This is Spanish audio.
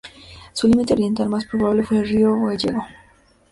Su límite oriental más probable fue el río Gállego.